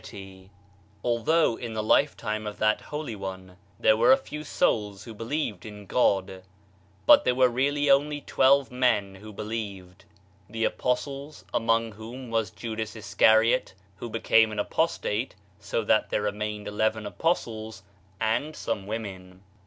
51 Digitized by Google MYSTERIOUS FORCES Although in the lifetime of that holy One, there were a few souU who believed in God, but there were really only twelve men who believed — the apostles (among whom was Judas Iscahot who became an apostate — so that diere remained eleven apostles), and some women.